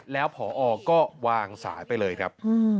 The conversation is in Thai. แล้วพอก็วางสายไปเลยครับ